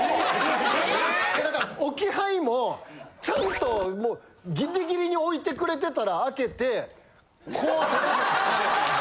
だから置き配もちゃんとギリギリに置いてくれてたら開けてこう取れる。